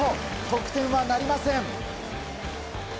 得点はなりません。